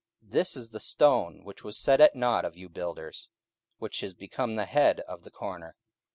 44:004:011 This is the stone which was set at nought of you builders, which is become the head of the corner.